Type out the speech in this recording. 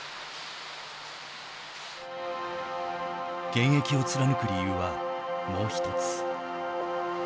現役を貫く理由は、もう一つ。